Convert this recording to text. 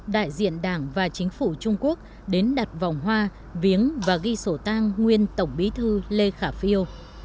đại diện đảng và chính phủ trung quốc đến đặt vòng hoa viếng và ghi sổ tang nguyên tổng bí thư lê khả phiêu